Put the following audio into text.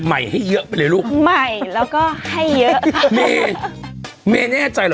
ให้เยอะไปเลยลูกใหม่แล้วก็ให้เยอะเมแน่ใจเหรอ